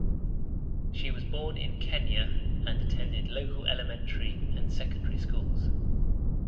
She was born in Kenya and attended local elementary and secondary schools.